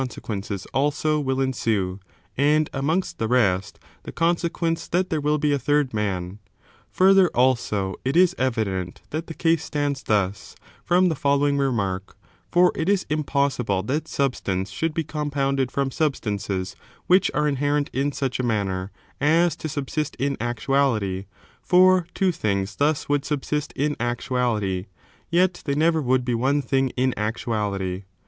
Further ar sequences also will ensue/ and, amongst the fSSaS^tmiver rest, the consequence that there will be a third aais being sub man. Further, also, it is evident that the case °*^ stands thus, from the following remark, for it is impossible that substance should be compounded from substances which are inherent in such a manner as to subsist in actuality ; for two things thus would subsist in actuality, yet they never would be one thing in actuality.